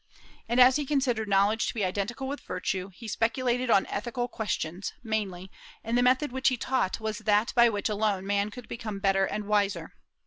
And as he considered knowledge to be identical with virtue, he speculated on ethical questions mainly, and the method which he taught was that by which alone man could become better and wiser.